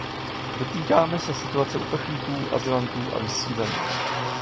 Dotýkáme se situace uprchlíků, azylantů a vysídlených.